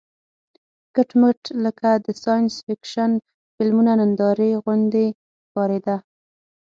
کټ مټ لکه د ساینس فېکشن فلمونو نندارې غوندې ښکارېده.